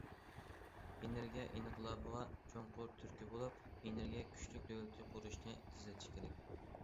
ئېنېرگىيە ئىنقىلابىغا چوڭقۇر تۈرتكە بولۇپ، ئېنېرگىيە كۈچلۈك دۆلىتى قۇرۇشنى تېزلىتىش كېرەك.